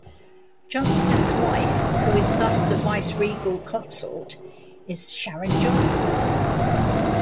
Johnston's wife-who is thus the viceregal consort-is Sharon Johnston.